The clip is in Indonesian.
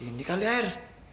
ini kali air